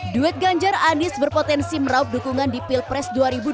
duet ganjar anis berpotensi meraup dukungan di pilpres dua ribu dua puluh